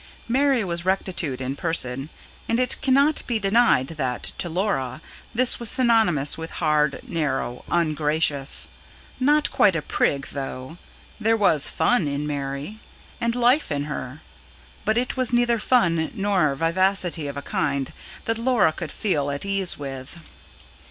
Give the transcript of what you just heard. Mary was rectitude in person: and it cannot be denied that, to Laura, this was synonymous with hard, narrow, ungracious. Not quite a prig, though: there was fun in Mary, and life in her; but it was neither fun nor vivacity of a kind that Laura could feel at ease with.